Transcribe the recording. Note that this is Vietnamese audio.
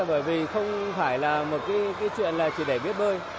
bởi vì không phải là một chuyện chỉ để biết bơi